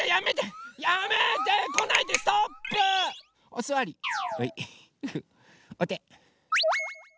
おて。